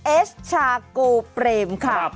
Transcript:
เอชชากูเปรมค่ะ